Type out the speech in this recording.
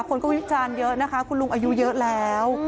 คนก็วิจารณ์เยอะนะคะคุณลุงอายุเยอะแล้ว